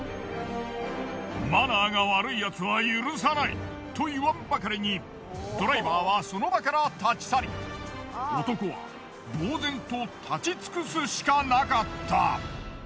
マナーが悪いヤツは許さない！と言わんばかりにドライバーはその場から立ち去り男はぼう然と立ち尽くすしかなかった。